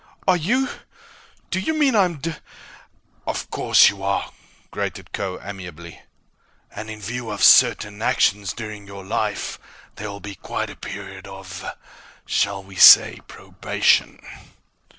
"Are you Do you mean I'm ... d d d ?" "Of course you are," grated Kho amiably. "And in view of certain actions during your life, there will be quite a period of shall we say probation.